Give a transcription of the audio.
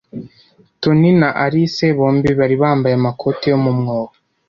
Toni na Alice bombi bari bambaye amakoti yo mu mwobo.